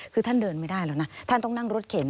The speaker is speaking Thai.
คือท่านเดินไม่ได้แล้วนะท่านต้องนั่งรถเข็น